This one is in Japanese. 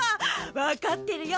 わかってるよ